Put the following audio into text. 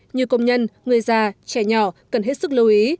như công nhân người già trẻ nhỏ cần hết sức lưu ý